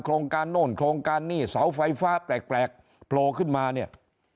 โครงการโน่นโครงการหนี้เสาไฟฟ้าแปลกโผล่ขึ้นมาเนี่ย